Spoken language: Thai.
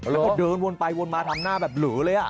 แล้วก็เดินวนไปวนมาทำหน้าแบบหลือเลย